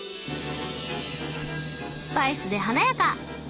スパイスで華やか！